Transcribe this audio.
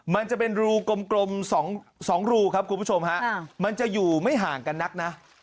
มันจะเป็นรูกลม๒รูครับคุณผู้ชมฮะมันจะอยู่ไม่ห่างกันนักนะ